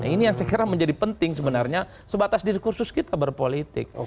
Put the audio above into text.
ini yang saya kira menjadi penting sebenarnya sebatas diskursus kita berpolitik